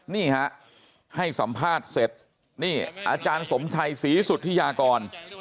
นี่ฮะให้สัมภาษณ์เสร็จนี่อาจารย์สมชัยศรีสุธิยากร